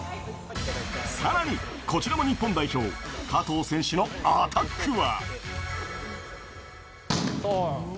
さらに、こちらも日本代表、加藤選手のアタックは。